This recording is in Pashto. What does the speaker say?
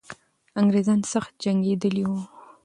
انګریزان سخت جنګېدلي وو.